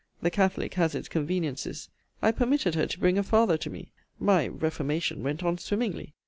The catholic has its conveniencies. I permitted her to bring a father to me. My reformation went on swimmingly.